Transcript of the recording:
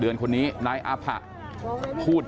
เพื่อนบ้านเจ้าหน้าที่อำรวจกู้ภัย